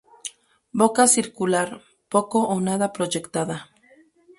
Boca circular, poco o nada proyectada.